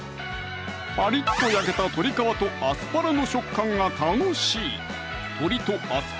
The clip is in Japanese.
パリッと焼けた鶏皮とアスパラの食感が楽しい